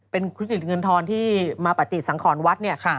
เป็นทุจริงเงินทรที่มาปฏิสังครวรรษเนี่ย